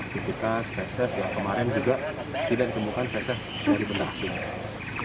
kipikas fesis yang kemarin juga tidak ditemukan fesis dari benda asing